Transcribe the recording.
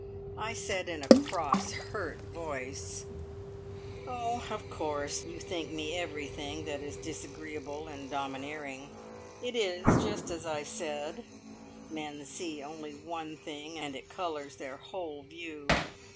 I said, in a cross, hurt voice: "Oh, of course, you think me everything that is disagreeable and domineering. It is just as I said men see only one thing, and it colours their whole view.